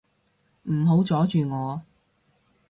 唔好阻住我